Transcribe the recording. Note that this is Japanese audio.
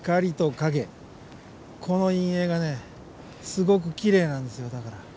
この陰影がねすごくきれいなんですよだから。